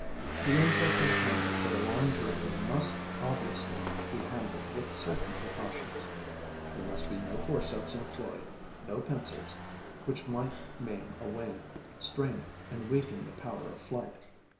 The insect intended for a long journey must obviously be handled with certain precautions. There must be no forceps employed, no pincers, which might maim a wing, strain it and weaken the power of flight.